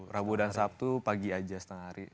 rabu dan sabtu pagi aja setengah hari